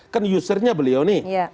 kan usernya beliau nih